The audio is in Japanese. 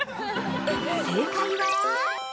◆正解は。